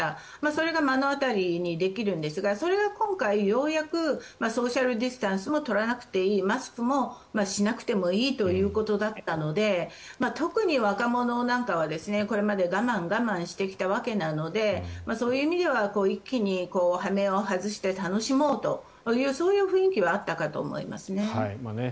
それが目の当たりにできるんですがそれが今回ようやくソーシャル・ディスタンスも取らなくていいマスクもしなくてもいいということだったので特に若者なんかはこれまで我慢、我慢してきたわけなのでそういう意味では一気に羽目を外して楽しもうというそういう雰囲気はあったかと思いますね。